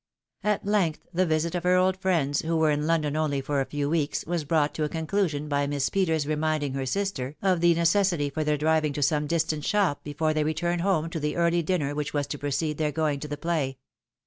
At length the visit of her old friends, who were in London only for a few weeks, was brought to a conclusion by Miss Peters reminding her sister of the necessity for their driving to some distant shop before they returned home to the early dinner which was to precede their going to the play.